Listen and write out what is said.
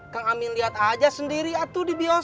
kang amin liat aja sendiri atuh di biota